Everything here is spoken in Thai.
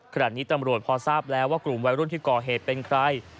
ขณะนี้ตำรวจพอทราบแล้วว่ากลุ่มวัยรุ่นที่ก่อเหตุเป็นใคร